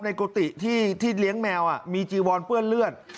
กุฏิที่เลี้ยงแมวมีจีวอนเปื้อนเลือด